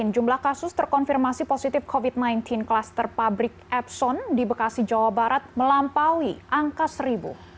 jumlah kasus terkonfirmasi positif covid sembilan belas klaster pabrik epson di bekasi jawa barat melampaui angka seribu